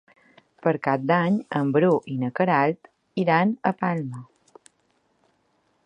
Per Cap d'Any en Bru i na Queralt iran a Palma.